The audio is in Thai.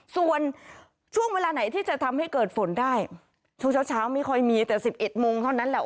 ส่วนช่วงเวลาไหนที่จะทำให้เกิดฝนได้ช่วงเช้าไม่ค่อยมีแต่๑๑โมงเท่านั้นแหละ